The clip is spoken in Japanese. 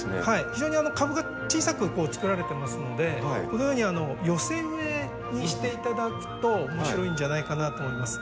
非常に株が小さく作られてますのでこのように寄せ植えにして頂くと面白いんじゃないかなと思います。